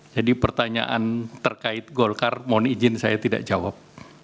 jadi pertanyaan terkait golkar mohon izin saya tidak jawab